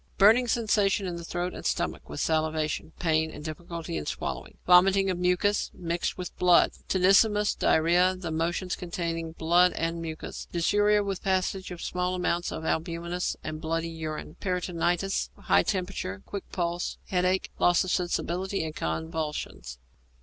_ Burning sensation in the throat and stomach, with salivation, pain and difficulty in swallowing. Vomiting of mucus mixed with blood. Tenesmus, diarrhoea, the motions containing blood and mucus. Dysuria, with passage of small amounts of albuminous and bloody urine. Peritonitis, high temperature, quick pulse, headache, loss of sensibility, and convulsions.